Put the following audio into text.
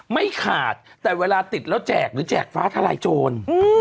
ไม่ขาดแต่เวลาติดแล้วแจกหรือแจกฟ้าทลายโจร